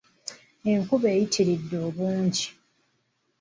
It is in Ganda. Enkuba eyitiridde obungi.